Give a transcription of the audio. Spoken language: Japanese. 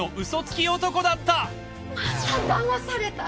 まただまされた。